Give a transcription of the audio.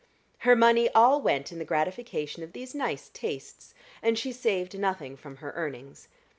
Her money all went in the gratification of these nice tastes, and she saved nothing from her earnings.